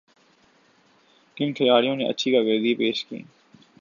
کن کھلاڑیوں نے اچھی کارکردگی پیش کی